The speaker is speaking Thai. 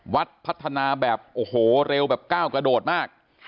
วัดพัฒนาแบบโอ้โหเร็วแบบก้าวกระโดดมาก